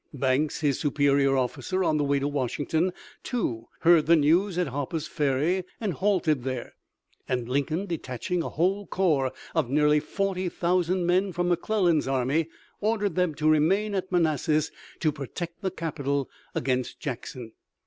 Banks, his superior officer, on the way to Washington, too, heard the news at Harper's Ferry and halted there, and Lincoln, detaching a whole corps of nearly 40,000 men from McClellan's army, ordered them to remain at Manassas to protect the capital against Jackson.